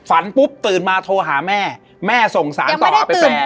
ฝันปุ๊บตื่นมาโทรหาแม่แม่ส่งสารต่อไปแปล